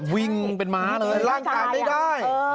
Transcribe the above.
วิ่งเป็นม้าเลยร่างกายไม่ได้